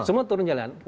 semua turun jalan